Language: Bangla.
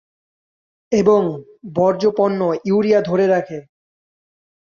এবং বর্জ্য পণ্য ইউরিয়া ধরে রাখে।